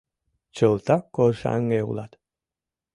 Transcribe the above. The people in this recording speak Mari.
— Чылтак коршаҥге улат.